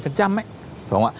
phải không ạ